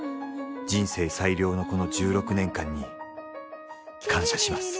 「人生最良のこの十六年間に」「感謝します」